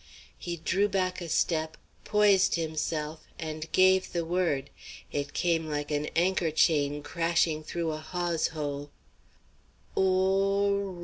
He drew back a step, poised himself, and gave the word. It came like an anchor chain crashing through a hawse hole.